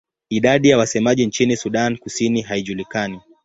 Idadi ya wasemaji nchini Sudan Kusini haijulikani.